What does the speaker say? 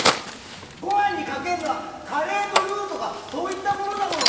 ご飯にかけるのはカレーのルーとかそういったものだもの